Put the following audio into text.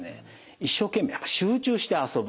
一生懸命やっぱ集中して遊ぶ。